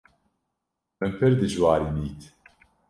Min pir dijwarî dît.